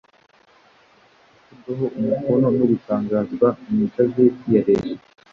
ryamaze gushyirwaho umukono no gutangazwa mu igazeti ya Leta.